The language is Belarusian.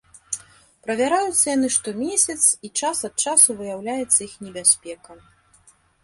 Правяраюцца яны штомесяц, і час ад часу выяўляецца іх небяспека.